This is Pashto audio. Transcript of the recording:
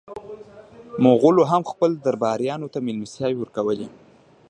مغولو هم خپلو درباریانو ته مېلمستیاوې ورکولې.